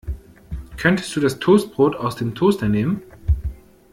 Könntest du das Toastbrot aus dem Toaster nehmen.